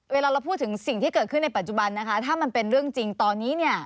เวลาเราพูดถึงสิ่งที่เกิดขึ้นในปัจจุบันนะคะถ้ามันเป็นเรื่องจริงตอนนี้เนี่ย